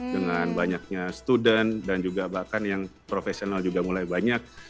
dengan banyaknya student dan juga bahkan yang profesional juga mulai banyak